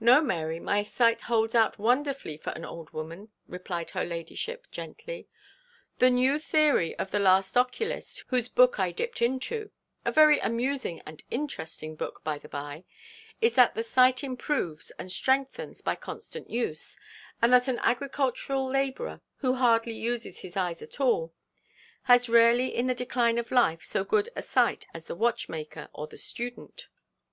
'No, Mary, my sight holds out wonderfully for an old woman,' replied her ladyship, gently. 'The new theory of the last oculist whose book I dipped into a very amusing and interesting book, by the bye is that the sight improves and strengthens by constant use, and that an agricultural labourer, who hardly uses his eyes at all, has rarely in the decline of life so good a sight as the watchmaker or the student.